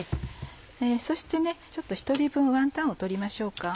そして１人分ワンタンを取りましょうか。